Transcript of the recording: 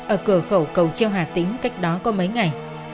ở cửa khẩu cầu treo hà tĩnh cách đó có mấy ngày